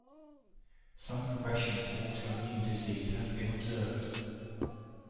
Some progression to autoimmune disease has been observed.